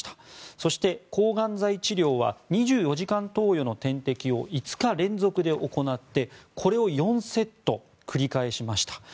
そして抗がん剤治療は２４時間投与の点滴を５日連続で行ってこれを４セット繰り返しました。